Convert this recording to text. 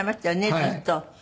ずっと。